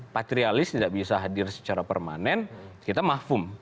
patrialis tidak bisa hadir secara permanen kita mahfum